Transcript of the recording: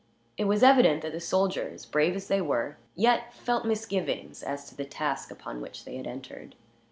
It was evident that the soldiers, brave as they were, yet felt misgivings as to the task upon which they had entered.